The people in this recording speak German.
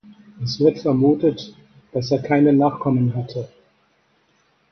Es wird vermutet, dass er keine Nachkommen hatte.